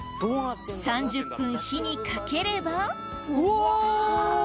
３０分火にかければうわ！